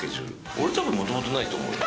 俺多分もともとないと思うよ。